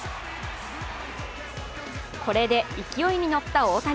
これで勢いに乗った大谷。